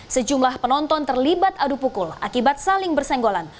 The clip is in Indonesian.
sejumlah penonton terlibat adu pukul akibat saling bersenggolan